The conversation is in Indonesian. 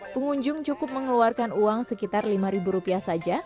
pengunjung cukup mengeluarkan uang sekitar lima rupiah saja